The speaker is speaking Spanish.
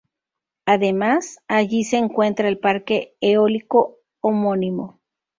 Además, allí se encuentra el parque eólico homónimo.